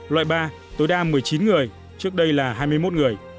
loại ba tối đa một mươi chín người trước đây là hai mươi một người